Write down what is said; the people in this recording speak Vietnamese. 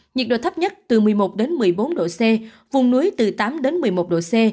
nhiệt độ thấp nhất từ một mươi một đến một mươi bốn độ c vùng núi từ tám đến một mươi một độ c